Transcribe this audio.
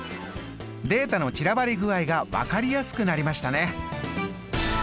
データの散らばり具合が分かりやすくなりましたね。